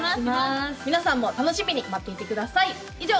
皆さんも楽しみに待っていてください以上